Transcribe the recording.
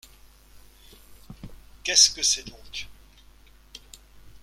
Qu’est-ce que c’est donc ?